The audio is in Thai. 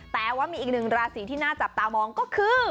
แต่ว่ามีอีกหนึ่งราศีที่น่าจับตามองก็คือ